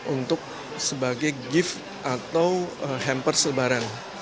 untuk sebagai gift atau hamper selebaran